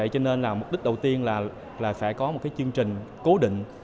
cho nên mục đích đầu tiên là phải có một chương trình cố định